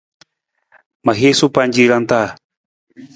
Ma hiisu pancirang ta.